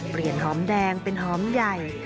เปลี่ยนหอมแดงเป็นหอมใหญ่